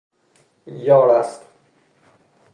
یارست